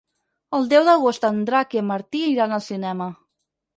El deu d'agost en Drac i en Martí iran al cinema.